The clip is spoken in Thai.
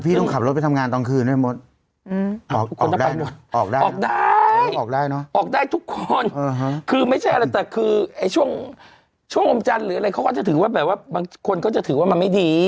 พี่ต้องขับรถไปทำงานตอนคืนด้วยหมดออกได้ออกได้ทุกคนคือไม่ใช่อะไรแต่คือช่วงอมจันทร์หรืออะไรเขาก็จะถือว่าบางคนก็จะถือว่ามันไม่ดี